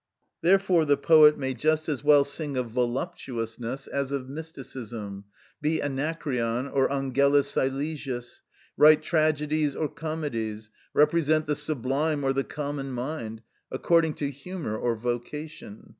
Therefore the poet may just as well sing of voluptuousness as of mysticism, be Anacreon or Angelus Silesius, write tragedies or comedies, represent the sublime or the common mind—according to humour or vocation.